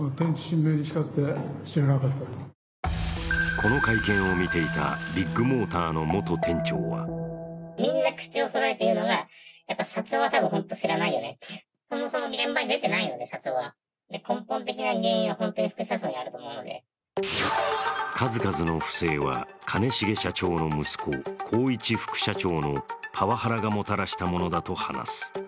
この会見を見ていたビッグモーターの元店長は数々の不正は、兼重社長の息子宏一副社長のパワハラがもたらしたものだと話す。